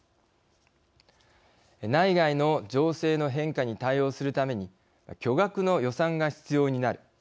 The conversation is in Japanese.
内外の情勢の変化に対応するために巨額の予算が必要になる。